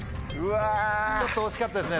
ちょっと惜しかったですね